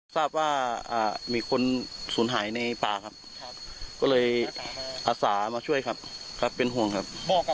ทราบว่ามีคนสูญหายในป่าครับก็เลยอาสามาช่วยครับครับเป็นห่วงครับ